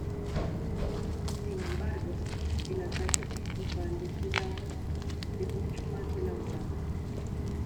Sin embargo, el ataque principal de Hidan es mucho más elaborado.